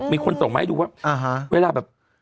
มีคนส่งมาให้ดูว่า